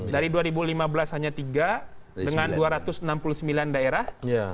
dari dua ribu lima belas hanya tiga dengan dua ratus enam puluh sembilan daerah